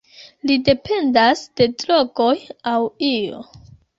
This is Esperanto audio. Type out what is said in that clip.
Li dependas de drogoj aŭ io.